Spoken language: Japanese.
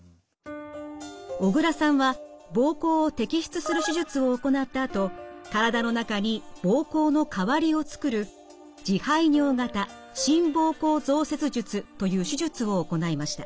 小倉さんは膀胱を摘出する手術を行ったあと体の中に膀胱の代わりをつくる自排尿型新膀胱造設術という手術を行いました。